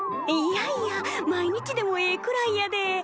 いやいや毎日でもええくらいやで。